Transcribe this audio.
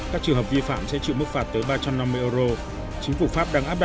các trường hợp vi phạm sẽ chịu mức phạt tới ba trăm năm mươi euro